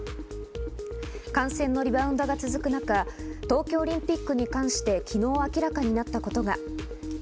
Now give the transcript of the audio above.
感染のリバウンドが続く中、東京オリンピックに関して昨日、明らかになったことが。